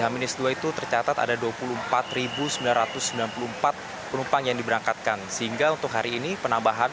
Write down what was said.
meskipun pada hari ini meningkat dengan jumlah dua puluh lima dua ratus penumpang